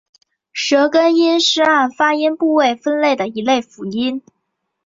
舌根音是按发音部位分类的一类辅音。